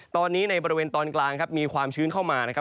ตอนนี้ในบริเวณตอนกลางครับมีความชื้นเข้ามานะครับ